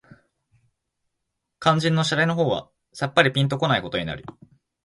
肝腎の洒落の方はさっぱりぴんと来ないことになる